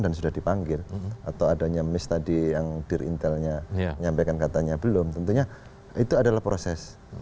dan sudah dipanggil atau ada nyamis tadi yang diri intelnya nyampaikan katanya belum tentunya itu adalah proses